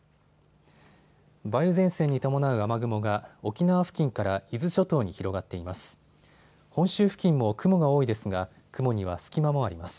梅雨前線に伴う雨雲が沖縄付近から伊豆諸島に広がっています。